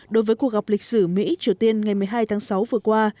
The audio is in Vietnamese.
đối với cuộc gặp lịch sử mỹ triều tiên ngày một mươi hai tháng sáu vừa qua